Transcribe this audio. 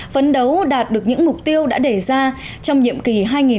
phấn đấu đạt được những mục tiêu đã đề ra trong nhiệm kỳ hai nghìn một mươi năm hai nghìn một mươi chín